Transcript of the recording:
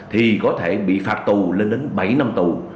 thì có thể bị phạt tù lên đến bảy năm tù